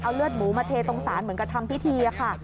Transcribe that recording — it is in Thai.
เลือดหมูมาเทตรงสารเหมือนกับทำพิธีค่ะ